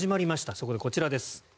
そこでこちらです。